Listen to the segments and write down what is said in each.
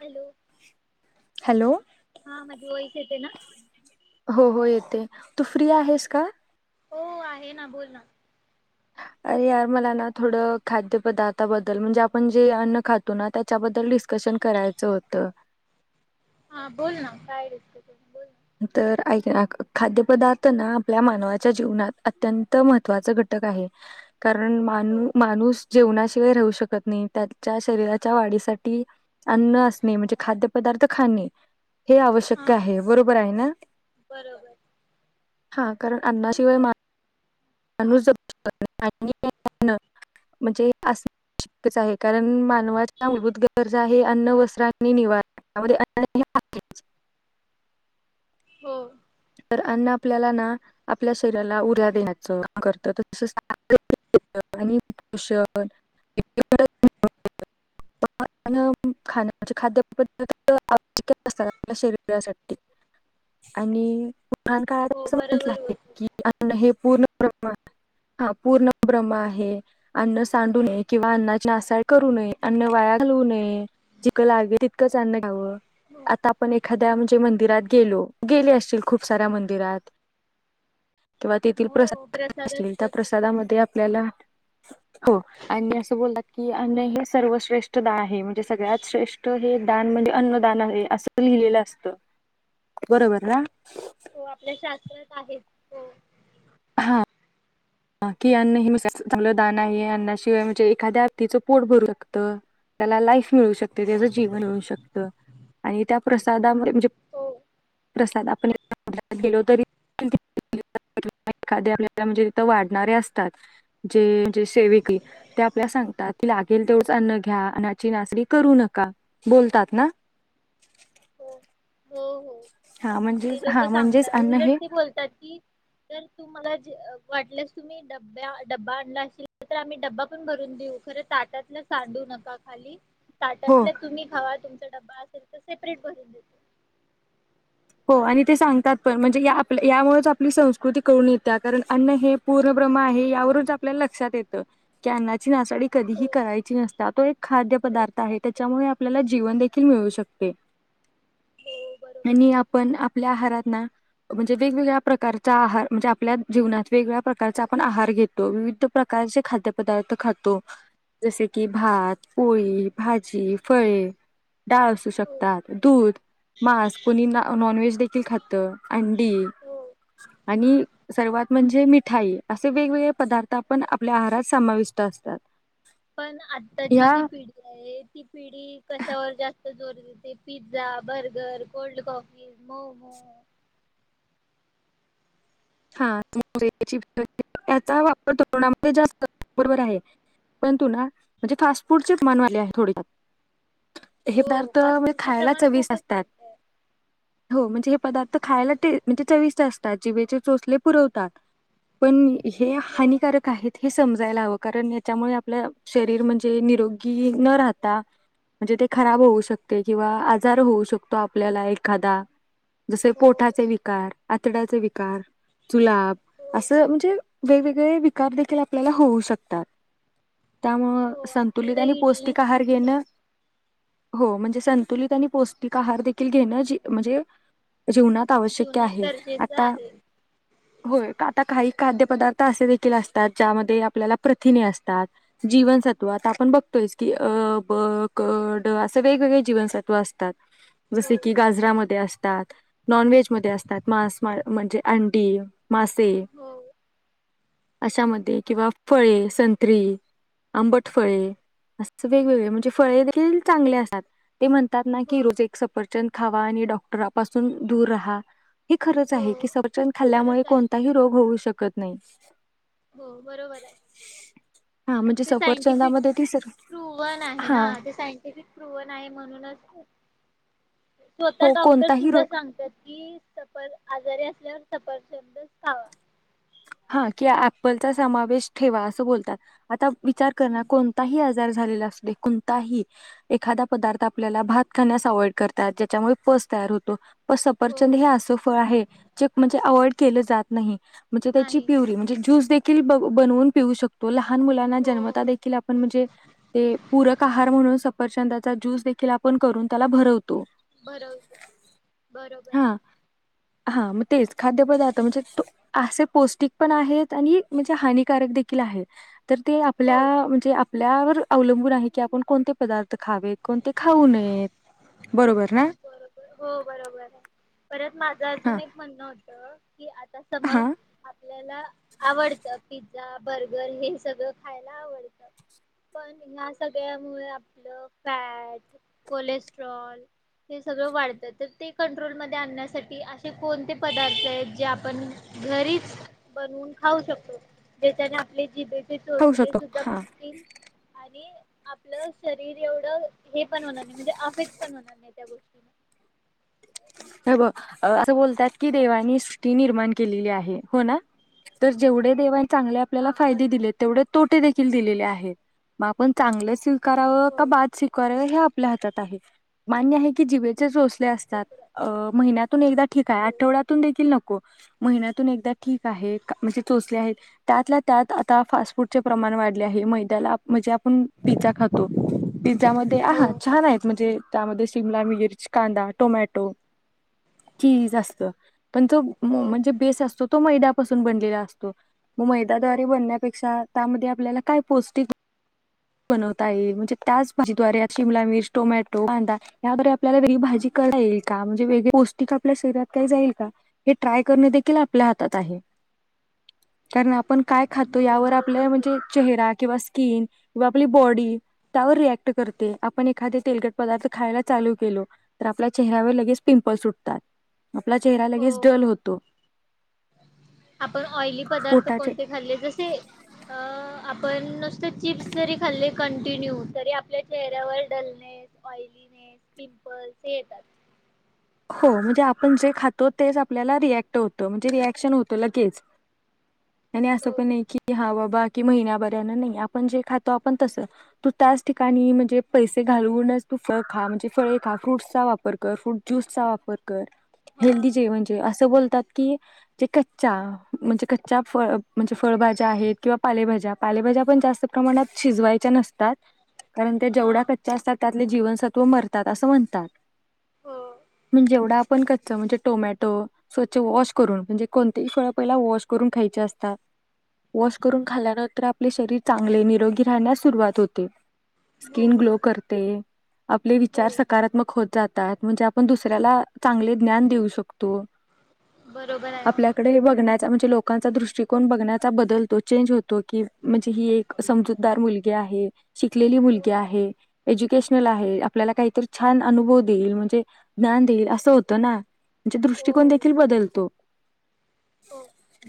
Hello hello हा माझा आवाज येतोय ना? हो हो येतय तू फ्री आहेस का? हो आहे ना बोल ना अरे यार मला ना थोडं खाद्य पदार्थाबद्दल, म्हणजे आपण जे अन्न खातो ना त्याच्याबद्दल डिस्कशन करायचं होतं. हा बोल, ना काय रे तु बोल. ना. तर अयिक अ खाद्यपदार्थ ना आपल्या मानवाच्या जीवनात अत्यंत महत्त्वाचा घटक आहे कारण हो मानू माणूस जेवणाशिवाय राहू शकत नाही त्याच्या शरीराच्या वाढीसाठी अन्न असणे, म्हणजे खाद्य पदार्थ खाणे हे आवश्यक हा. आहे बरो बर आहे ना? बरोबर. हा कारण अन्ना शिवाय मा [unintelligible] हो! [unintelligible] लहान काळात हो असं म्हटलं बरोबर आहे बोलते. की अन्न हे! पूर्णब्रह्म आहे, हा पूर्णब्रम्ह आहे अन्न सांडू नये, किंवा अन्नाची नासाड करू नये, अन्न वाया घालवू नये, जिकं लागेल तितकंच अन्न घ्यावं. हो. आता आपण एक एखाद्या म्हणजे मंदिरात गेलो, गेले असशील खूप साऱ्या मंदिरात तेथील हो प्रसाद असतील त्या असतोच प्रसादामध्ये आपल्याला. हो आणि असं बोलतात की अन्न हे सर्वश्रेष्ठ दान आहे, म्हणजे सगळ्यात श्रेष्ठ हे दान म्हणजे अन्नदान आहे, असं लिहिलेलं असतं बरोबर ना. हो आपल्या शास्त्रात आहे हो. हा! हो [unintelligible] त वाढणारे असतात जेे सेविकी ते आपल्या सांगतात ती लागेल तेवढच अन्न घ्या अन्नाची नासाडी करू नका बोलतात ना. हो हो हो हा ते म्हणजेच लोक हा म्हणजेच सांगता अन्न उलट हे ते बोलतायेत की, जर तु मला अ वाटल्यास तुम्ही डब्ब्या डबा, आणला असशीला तर आम्ही डबा, पण भरून देऊ खर ताटातला सांडू नका खाली. हो ताटातलं तुम्ही खावा तुम तुमचा डबा असेल तर सेप्रेट भरून देतो. हो आणि ते सांगतात पण म्हणजे या आपल्या यामुळचं आपली संस्कृती कळून येतीया कारण अन्न हे पूर्ण ब्रम्ह आहे यावरूनच आपल्याला लक्षात येत कि अन्ना नासाडी कधीही हो. करायची नसता तो एक खाद्य पदार्थ करायची आहे, नसते त्याच्यामुळे आपल्याला जीवन एक मिळू शकते. हो बरोबर आणि आप बोलली आपल्या आहारात ना म्हणजे वेगवेगळ्या प्रकारचा आहार म्हणजे, आपल्या जीवनात वेगवेगळ्या प्रकारचा आपण आहार घेतो, विविध प्रकारचे खाद्य पदार्थ खातो, जसे की भात पोळी, भाजी फळे डाळ असू हो शकतात दूध मांस कोणी ना नॉनव्हेज देखील खातं, अंडी हो आणि सर्वात म्हणजे मिठाई असे वेगवेगळे पदार्थ आपण आपल्या आहारात समाविष्ट असतात पण आताची या जी पिढी आहे, ती पिढी कशावर जास्त जोर देते pizza, burger, cold coffees, momo [unintelligible] हे हो पदार्थ फास्ट म्हणजे फूडचे खायला प्रमाण चविस्ट खूपच असतात, वाढतय हो म्हणजे हे पदार्थ खायला टे म्हणजे चविस्ट अस टाची बेचू चोचले पुरवतात पण हे हो हानिकारक आहेत हे स समजायला हवं कारण याच्यामुळे आपल्या शरीर म्हणजे निरोगी न राहता म्हणजे ते खराब होऊ शकते किंवा आजार होऊ शकतो आपल्याला एखादा जसे हो पोटाचे विकार आतड्याचे विकार जुलाब हो असं म्हणजे वेगवेगळे विकार देखील आपल्याला होऊ शकतात. त्यामुळं हो संतुलित आपल्याला आणि पौष्टिक इलनेस आहार येऊ शकतो घेणं. हो म्हणजे संतुलित आणि पौष्टिक आहार देखील घेणं जी म्हणजे जीवनात आवश्यक्य जीवनात आहे. गरजेचं आता आहे होय आता काही खाद्यपदार्थ असे देखील असतात. ज्यामध्ये आपल्याला प्रथिने असतात जीवनसत्व आपण बघतोयच की अ ब क ड असे वेगवेगळे जीवनसत्व असतात. हो जसे की गाजरामध्ये अस असतात नॉनव्हेज मध्ये असतात मांस म म्हणजे आं डी अ मासे हो अशामध्ये किंवा फळे संत्री आंबट फळे अस वेगवेगळे म्हणजे फळे देखील चांगले असतात. ते म्हणतात ना की हो रोज एक सफर चंद खावा आणि डॉक्टरापासून दूर राहा. हे खरंच हो आहे की सफ चंद खाल्ल्यामुळे खरंच आहे कोणताही रोग होऊ शक कत नाही. हो बरोबर आहे हा म्हणजे ते सायंटिफिक सफरचंदामध्ये ती सर प्रुवन आहे ना हा ते सायंटिफिक प्रुवन आहे म्हणूनच स्वतः हो डॉक्टर कोणताही सुद्धा रोग सांगतात की सफर आजारी अस. एक सपरचंद खावा हा कि ॲपलचा समावेश ठेवा असं बोलतात. आता विचार करणा हम्म कोणताही आजार जर झालेला असू दे कोणताही एखादा पदार्थ आपल्याला भात खाण्यास अवाइड करतात. ज्याच्यामुळे पस तयार होतो. पण सपरचंद हे हो असं फळ आहे जे म्हणजे अव्हॉइड केलं जात नाही म्हणजे ते ची नाही प्युरी म्हंजे ज्युस देखी किल बनवून पीऊ शकतो. तो लहान मुलांना हो जन्मता देखील आपण हो म्हणजे ते पूरक आहार म्हणून सफरचंदात तर ज्यूस देखील आपण करून त्याला भरवतो. बरो बरोबर हा हाय हा मग तेच खाद्यपदार्थ म्हणजे त असे पोस्ट तिक पण आहेत आणि म्हणजे हानिकारक देखील आहेत. तर ते आपल्या हो म्हणजे आप आपल्यावर अवलंबून आहे की आपण कोणते पदार्थ खावेत कोणते खाऊ नयेत बरोबर ना बरोबर हो बरोबर परत माझं हा अजून एक म्हणणं होतं कि आता हा समज आपल्याला आवडत पिझ्झा बर्गर हे सगळं खायला आवडत पण ह्या सगळ्यामुळे आपलं फॅट कोलेस्ट्रॉल हे सगळ वाढत तर ते कंट्रोल म आणण्यासाठी असे कोणते पदार्थ आहेत जे आपण घरीच बनवून खाऊ शकतो जच्याने आपले जी खाऊ शकतो हा आणि आपलं शरीर एवढं हे पण होणार नाही म्हणजे एफेक्ट पण होणार नाही त्या गोष्टी अस बोलतात की देवानी सृष्टी निर्माण केलेली आहे हो ना तर जेवढे देवा चांगले आपल्याला हा फायदे बरोबर. दिले तेवढे तोटे देखील दिलेले आहेत मग आपण चांगले करावं हो का बाात शिकवावं आपल्या हातात आहे मान्य आहे की जिभेचे रोसले ते असतात तर आहे. अ महिन्यातून एकदा ठीक आहे हो. आठवड्यातून देखील नको महिन्यातून एकदा ठीक आहे म्हणजे चोचले त्यातल्या त्यात आता फास्ट फूडचे प्रमाण वाढले आहे मैद्याला म्हणजे आपण पिझ्झा खातो पिझ्झा मध्ये आहा हो छान आहेत म्हणजे त्यामध्ये शिमला मिर्च, कांदा, टोमॅटो चीज असत त्यांच हो म्हणजे बेस असतो तो मैद्यापासून बनलेला असतो मग हो मैदाद्वारे बनण्यापेक्षा त्यामध्ये आपल्याला काय पौष्टिक बनवता येइल म्हणजे त्याच भाजीद्वारे शिमला मिर्च, टोमॅटो, कांदा याद्वारे आपल्याला घरी भाजी करता येईल पौष्टिक आपल्या शरीरात काय जाईल का हे ट्राय करणे देखील आपल्या हातात आहे कारण आपण काय खातो हो यावर आपलं बरोबर बोल म्हणजे चेहरा किंवा स्किन किवा आपली बॉडी त्यावर रिएक्ट करते आपण एखाद तेलगट पदार्थ खायला चालू केलो तर आपल्या चेहऱ्यावर लगेच पिंपलस उठतात आपला चेहरा हो. लगेच डल होतो आपण ऑइली पदार्थ पोटाचे कोणते खाल्ले जसे अ आपण नुसते चिप्स जरी खाल्ले कंटिन्यू तरी आपल्या चेहऱ्यावर डलनेस ऑयलनेस पिंपल्स हे येतात हो म्हणजे आपण जे खातो तेच आपल्याला रिएक्ट होतं म्हणजे रिएक्शन होतं लगेच आणि असं हो पण हो आहे की हा बाबा की महिन्याभऱ्यांन नाही आपण जे खातो आपण तस तू त्याच ठिकाणी म्हणजे पैसे घालूनच तू फळ खा म्हणजे फळे खा फ्रूटचा वापर कर फ्रूट ज्यूस चा वापर कर हा हेल्दी जेवण जेव? म्हणतात की जे कच्च्या म्हणजे कच्च्या फळ म्हणजे फळभाज्या आहेत किंवा पालेभाज्या पालेभाज्या पण जास्त प्रमाणात शिजवायच्या नसतात कारण ते हा जेवढ्या कच्च्या असतात.. त्यातले जीवनसत्व मरतात असं म्हणतात. हो पण जेवढ आपण कच्च म्हणजे टोमॅटो स्वच्छ वॉश करून म्हणजे कोणतेही फळ पहिला वॉश करून खायची असतात. वॉश करून खाल्ल्यानंतर आपले शरीर चांगले निरोगी राहण्यास सुरुवात होते हो स्किन ग्लो करते आपले हो विचार सकारात्मक होत जातात. म्हणजे आपण दुसऱ्याला चांगले ज्ञान देऊ शकतो. बरोबर आहे. आपल्याकडे बघण्यात म्हणजे लोकांचा दृष्टकोन बघण्या बदलतो चेंज होतो की म्हणजे, ही एक समजूतदार मुलगी आहे, शिकलेली हो मुलगी आहे, एज्युकेशनल आहे, आपल्याला काहीतर छान अनुभवी देईल. ज्ञान देईल अस होत ना म्हणजे दृष्टिकोन हो देखील बदलतो. हो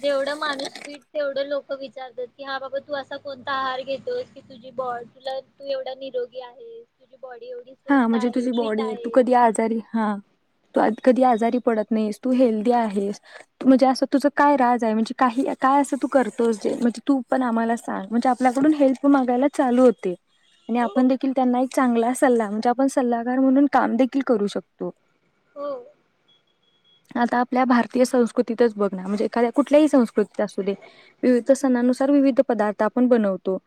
जेवढ माणूस फिट तेवढं लोक विचारतात की हा बाबा तू असा कोणता आहार घेतोस की तुझी बॉडी तू एवढा निरोगी आहेस. बॉडी एवढी हा स्वस्त म्हणजे आहे तुझी फिट बॉडी तू आहे. कधी आजारी हा तू कधी आजारी पडत नाहीस तू हेल्दी आहेस म्हणजे असं तुझ काय राज आहे म्हणजे काही काय असं तू करतोस जे म्हणजे तू पण आम्हाला सांग म्हणजे आपल्याकडून हेल्प मागायला चालू होते. आणि हो आपण देखील त्यांना एक चांगल असत. सल्ला म्हणजे आपण सल्लागार म्हणून काम देखील करू शकतो. हो. आता आपल्या भारतीय संस्कृतीतच बघ ना म्हणजे एखाद्या कुठल्याही संस्कृतीत असू दे विविध सणानुसार विविध पदार्थ आपण बनवतो.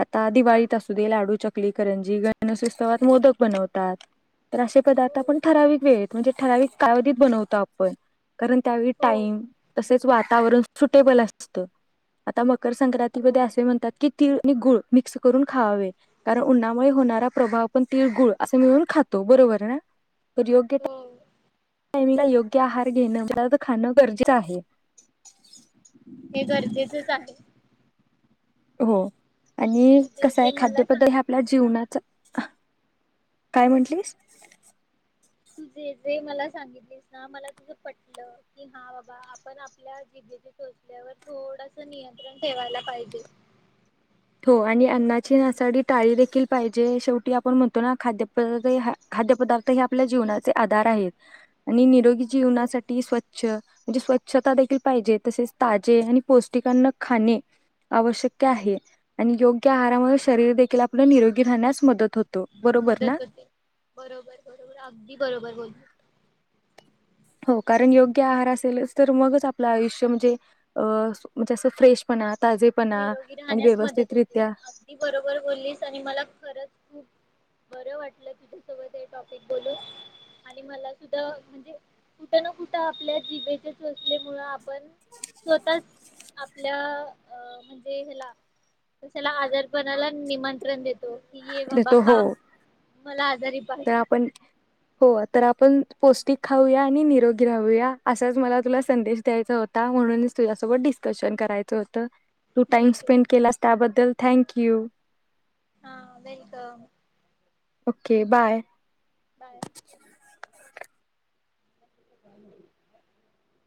आता हा दिवाळीत असू दे लाडू, चकली, चकली, करंजी, [unintelligible] गणपतीत मोदक बनवतात, तर असे हो पदार्थ आपण ठराविक वेळेत म्हणजे ठराविक कालावधीत बनवतो. आपण कारण त्यावेळी हो टाईम तसेच वातावरण सुटेबल असत आता मग मकर हो. संक्रांतीमध्ये असे म्हणतात की, तीळ आणि गुळ मिक्स करून खावेवे कारण उन्हामुळे होणारा प्रभाव आपण तीळगुळ असं मिळून खातो बरोबर ना, तर योग्य [unintelligible] हो टायमिंगला योग्य आहार घेणं, [unintelligible] खाणं गरजेचं आहे. हे गरजेचेच आहे. हो आणि तुझे जे कस आहे जे मला खाद्यपद्द हे आपल्या सांगितलेस ना जीवनाचा काय म्हंटलीस, तु जे जे मला सांगितलीस ना मला तुझ पटलं कि हा बाबा आपण आपल्या जिभेचे चोचल्यावर थोडस नियंत्रण ठेवायला पाहिजे. हो आणि अन्नाची नासाडी टाळी देखील पाहिजे शेवटी आपण म्हणतो ना खाद्यप खाद्यपदार्थ हे आपल्या जीवनाचे आधार आहेत आणि निरोगी जीवनासाठी स्वच्छ म्हणजे स्वच्छता देखील पाहिजे तसेच ताजे आणि पौष्टिक अन्न खाणे आवश्यक्य आहे. आणि योग्य आहारामुळे शरीर देखील आपलं निरोगी राहण्यास मदत होतो. बरोबर ना? मदत होते बरोबर बरोबर अगदी बरोबर बोली, हो कारण योग्य आहार असेलच तर मगच आपलं आयुष्य म्हणजे अ म्हजे असं फ्रेश म्हणा, निरोगी राहण्यास मदत होते अगदी बरोबर बोललीस आणि मला खरंच खूप बरं वाटलं तुझ्यासोबत हे टॉपिक बोलून आणि मला सुद्धा म्हणजे कुठ ना कुठं आपल्या जीभेचे चोचलेमुळ आपण स्वतःच आपल्या अ म्हणजे ह्येला कश्याला आजारपणाला निमंत्रण देतो. की ये बाबा देतो हो हा मला आजारी पाड तर आपण हो तर आपण पौष्टिक खाऊया आणि निरोगी राहूया असाच मला तुला संदेश द्यायचा होता म्हणूनच तुझ्यासोबत डिस्कशन करायचं होत. तू टाइम ठीक आहे स्पेंड केलास त्याबद्दल चल थँक यू. हा वेलकम. Okay bye. बाय. [unintelligible]